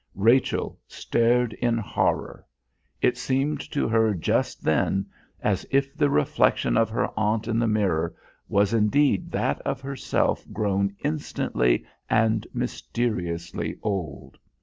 Rachel stared in horror. It seemed to her just then as if the reflection of her aunt in the mirror was indeed that of herself grown instantly and mysteriously old.